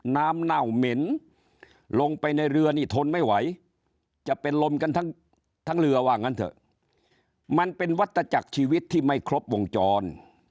เน่าเหม็นลงไปในเรือนี่ทนไม่ไหวจะเป็นลมกันทั้งเรือว่างั้นเถอะมันเป็นวัตจักรชีวิตที่ไม่ครบวงจร